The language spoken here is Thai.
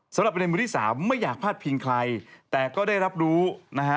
สำหรับประเด็นมือที่สามไม่อยากพลาดพิงใครแต่ก็ได้รับรู้นะฮะ